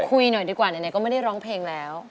คุยหน่อยดีกว่าไหนก็ไม่ได้ร้องเพลงแล้ว